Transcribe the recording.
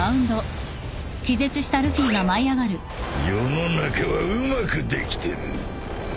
世の中はうまくできてる。